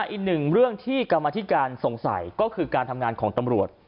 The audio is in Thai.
อีกหนึ่งเรื่องที่กรรมธิการสงสัยก็คือการทำงานของตำรวจ